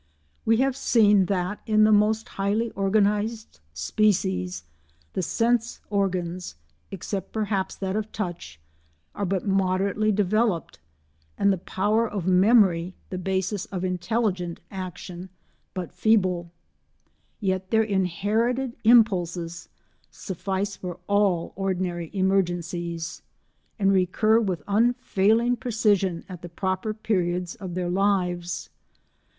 We have seen that, in the most highly organised species, the sense organs—except perhaps that of touch—are but moderately developed, and the power of memory, the basis of intelligent action, but feeble; yet their inherited impulses suffice for all ordinary emergencies, and recur with unfailing precision at the proper periods of their lives.